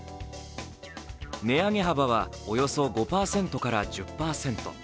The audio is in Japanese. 値上げ幅はおよそ５％から１０％。